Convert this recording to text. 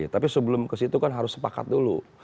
tapi sebelum ke situ kan harus sepakat dulu